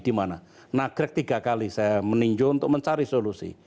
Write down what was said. di mana nagrek tiga kali saya meninjau untuk mencari solusi